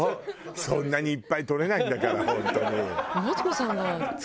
そんなにいっぱい採れないんだから本当に。